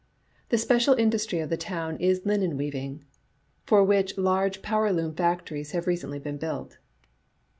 The special industry of the town is linen weaving, for which large power loom factories have recently been built."